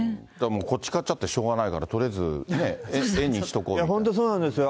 こっち買っちゃってしょうがないから、とりあえず円にしとこ本当、そうなんですよ。